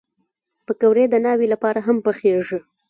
پکورې د ناوې لپاره هم پخېږي